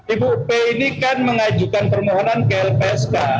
ibu p ini kan mengajukan permohonan ke lpsk